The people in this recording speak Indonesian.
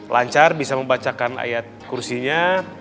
lancar bisa membacakan ayat kursinya